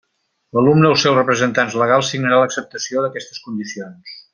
L'alumne, o els seus representants legals, signarà l'acceptació d'aquestes condicions.